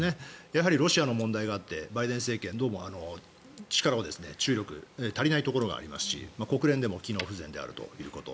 やはりロシアの問題があってバイデン政権どうも力を注力足りないところがありますし国連も機能不全であるということ。